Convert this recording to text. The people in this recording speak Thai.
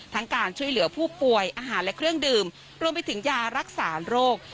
การช่วยเหลือผู้ป่วยอาหารและเครื่องดื่มรวมไปถึงยารักษาโรค